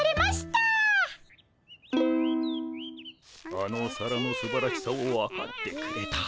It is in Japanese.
あのお皿のすばらしさを分かってくれた。